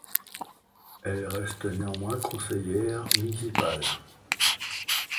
Elle reste néanmoins conseillère municipale.